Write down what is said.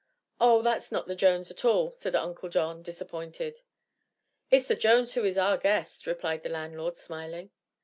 "Oh; that's not the Jones at all," said Uncle John, disappointed. "It's the Jones who is our guest," replied the landlord, smiling.